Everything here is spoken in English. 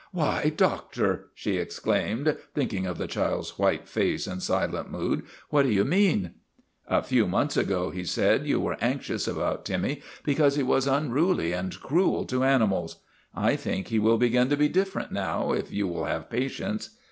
'' "Why, Doctor!" she exclaimed, thinking of the child's white face and silent mood. " What do you mean ?'" A few months ago," he said, " you were anx ious about Timmy because he was unruly and cruel to animals. I think he will begin to be different now, if you will have patience.